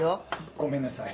ごめんなさい。